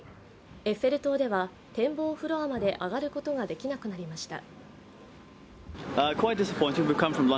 エッフェル塔では展望フロアまで上がることができなくなりました。